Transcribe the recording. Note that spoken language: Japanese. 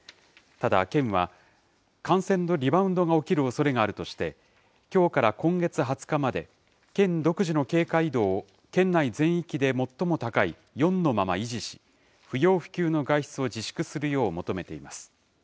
ただ、県は感染のリバウンドが起きるおそれがあるとして、きょうから今月２０日まで、県独自の警戒度を県内全域で最も高い４のまま維持し、不要不急の外出を自粛するよう求めています。